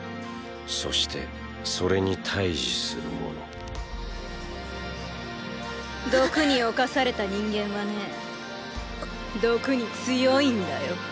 そしてそれに対峙する者毒に侵された人間はね毒に強いんだよ。